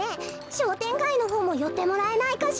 しょうてんがいのほうもよってもらえないかしら。